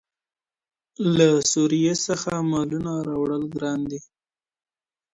له سوریې څخه مالونه راوړل ګران دي.